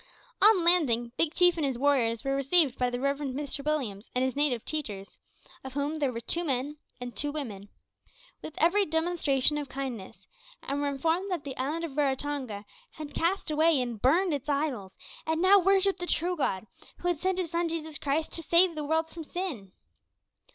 On landing, Big Chief and his warriors were received by the Reverend Mr Williams and his native teachers of whom there were two men and two women with every demonstration of kindness, and were informed that the island of Raratonga had cast away and burned its idols, and now worshipped the true God, who had sent His Son Jesus Christ to save the world from sin.